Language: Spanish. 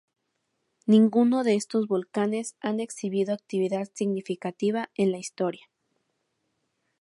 Ninguno de estos volcanes han exhibido actividad significativa en la historia.